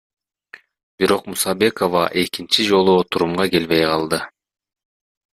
Бирок Мусабекова экинчи жолу отурумга келбей калды.